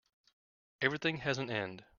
Everything has an end.